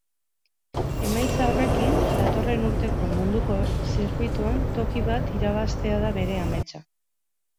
Emaitza horrekin, datorren urteko munduko zirkuituan toki bat irabaztea da bere ametsa.